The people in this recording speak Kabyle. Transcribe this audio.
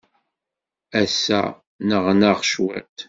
Ass-a, nneɣnaɣ cwiṭ.